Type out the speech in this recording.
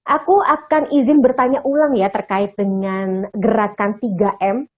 aku akan izin bertanya ulang ya terkait dengan gerakan tiga m